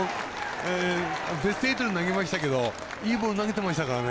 ベスト８投げてましたけどいいボール投げてましたからね。